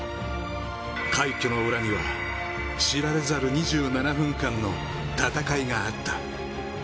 快挙の裏には、知られざる２７分間の戦いがあった。